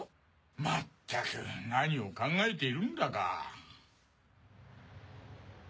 まったく何を考えているんだか。